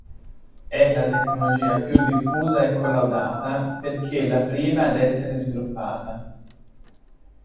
È la tecnologia più diffusa e collaudata perché la prima ad essere sviluppata.